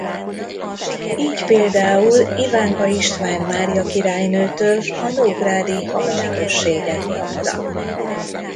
Így például Ivánka István Mária királynőtől a nógrádi Halap községet kapta.